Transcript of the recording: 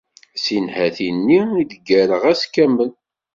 Si nnhati nni i d-ggareɣ ass kamel.